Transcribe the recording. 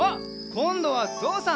こんどはぞうさん！